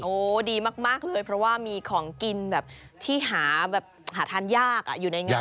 ดีมากเลยเพราะว่ามีของกินแบบที่หาแบบหาทานยากอยู่ในงาน